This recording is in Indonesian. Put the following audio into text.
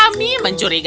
beboli tidak peduli dirimu